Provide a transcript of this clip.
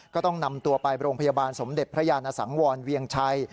ก็ต้องนำตัวไปโรงพยาบาลสมเด็จพระยานสังวรเวียงชัย